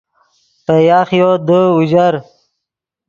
پے یاخیو دے اوژر